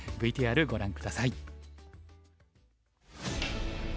ＶＴＲご覧下さい。